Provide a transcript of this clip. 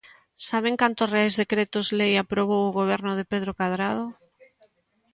¿Saben cantos reais decretos leis aprobou o Goberno de Pedro Cadrado?